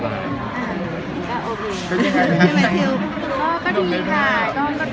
ถึงวันที่มาพบมาดูสวีทก่อน